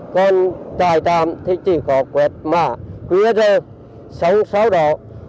còn trại tạm thì chỉ có quẹt mạ quý rơ sống sáu đỏ